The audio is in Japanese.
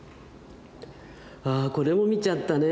あこれも見ちゃったね。